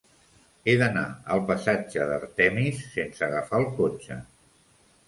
He d'anar al passatge d'Artemis sense agafar el cotxe.